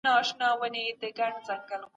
سياست تل اسانه او ساده نه وي.